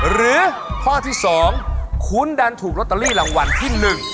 หรือข้อที่๒คุณดันถูกลอตเตอรี่รางวัลที่๑